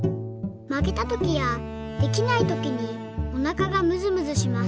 「まけたときやできないときにおなかがむずむずします。